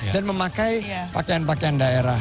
dan memakai pakaian pakaian daerah